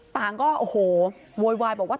ต่างก็โหวววายว่า